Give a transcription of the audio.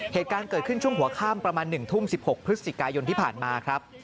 เหตุการณ์เกิดขึ้นช่วงหัวข้ามประมาณ๑ทุ่ม๑๖พฤศจิกายนที่ผ่านมาครับ